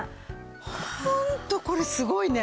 ホントこれすごいね。